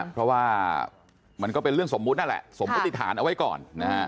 เพราะว่ามันก็เป็นเรื่องสมมุตินั่นแหละสมมติฐานเอาไว้ก่อน